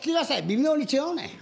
微妙に違うねん。